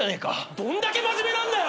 どんだけ真面目なんだよ！